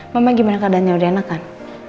mama gimana keadaannya udah enak kan